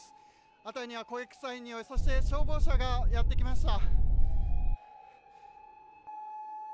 辺りには焦げ臭いにおい、そして消防車がやって来ました。